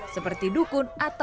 seperti dukun atau kembang perawatan